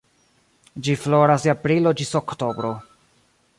Ĝi floras de aprilo ĝis oktobro.